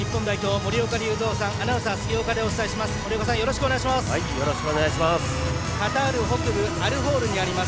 森岡さん、よろしくお願いします。